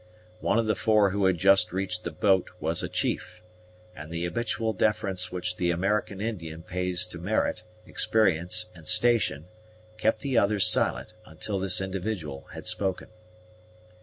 One of the four who had just reached the boat was a chief; and the habitual deference which the American Indian pays to merit, experience, and station kept the others silent until this individual had spoken.